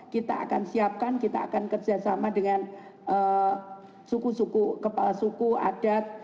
kita akan siapkan kita akan kerjasama dengan suku suku kepala suku adat